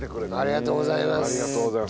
ありがとうございます。